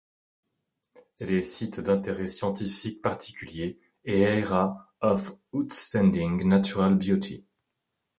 Elle est site d'intérêt scientifique particulier et Area of Outstanding Natural Beauty.